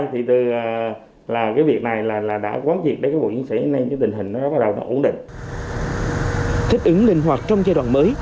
thích ứng linh hoạt trong giai đoạn mới